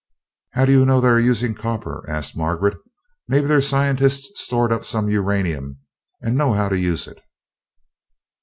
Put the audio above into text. "How do you know they are using copper?" asked Margaret. "Maybe their scientists stored up some uranium and know how to use it."